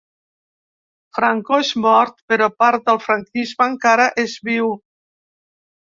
Franco és mort però part del franquisme encara és viu.